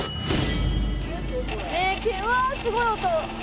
うわすごい音。